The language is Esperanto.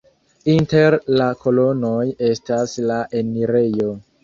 Inter la kolonoj estas la enirejo.